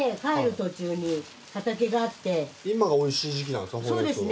今がおいしい時期なんですか？